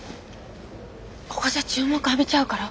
ここじゃ注目浴びちゃうから。